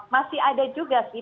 masih ada juga sih